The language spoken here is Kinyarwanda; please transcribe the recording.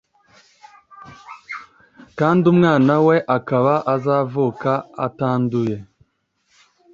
kandi umwana we akaba azavuka atanduye